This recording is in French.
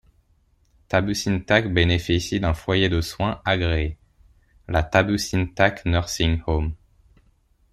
Tabusintac bénéficie d'un foyer de soins agréés, la Tabusintac Nursing Home.